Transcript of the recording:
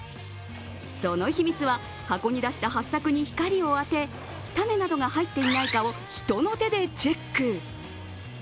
その秘密は、箱に出したはっさくに光を当て種などが入っていないかを人の手でチェック。